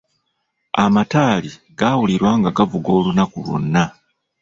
Amataali gaawulirwa nga gavuga olunaku lwonna.